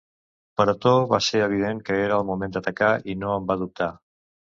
Per Otó va ser evident que era el moment d'atacar i no en va dubtar.